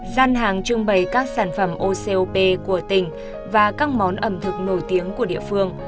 gian hàng trưng bày các sản phẩm ocop của tỉnh và các món ẩm thực nổi tiếng của địa phương